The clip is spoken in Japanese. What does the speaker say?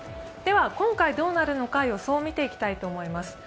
では、今回どうなるのか予想を見ていきたいと思います。